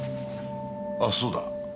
あっそうだ。